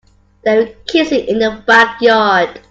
They were kissing in the backyard.